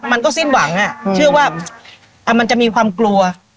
มันก็สิ้นหวังเชื่อว่ามันจะมีความกลัว